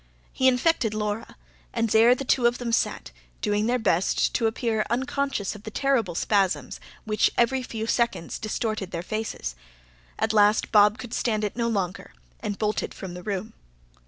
He infected Laura; and there the two of them sat, doing their best to appear unconscious of the terrible spasms which, every few seconds, distorted their faces. At last Bob could stand it no longer and bolted from the room.